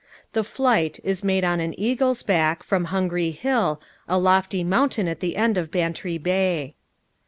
The "flight" is made on an eagle's back, from Hungry Hill, a lofty mountain at the end of Bantry Bay.